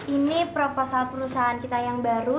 ini proposal perusahaan kita yang baru